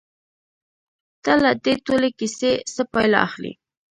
ته له دې ټولې کيسې څه پايله اخلې؟